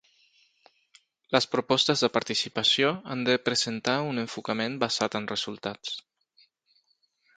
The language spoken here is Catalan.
Les propostes de participació han de presentar un enfocament basat en resultats.